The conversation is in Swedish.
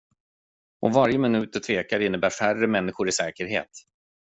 Och varje minut du tvekar innebär färre människor i säkerhet.